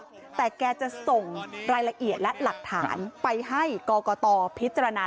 แต่แกจะส่งรายละเอียดและหลักฐานไปให้กรกตพิจารณา